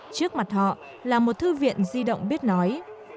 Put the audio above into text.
trước mặt họ là một thư viện di động biết nói